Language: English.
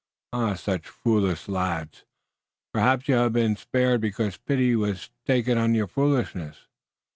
Ah, such foolish lads! Perhaps you haf been spared because pity wass taken on your foolishness.